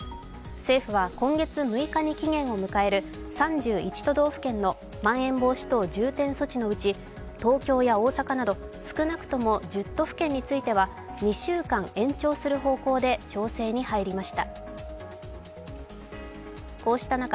政府は今月６日に期限を迎える３１都道府県のまん延防止等重点措置のうち東京や大阪など少なくとも１０都府県については２週間延長する方向で調整に入りました。